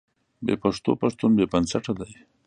بې پښتوه پښتون بې بنسټه دی.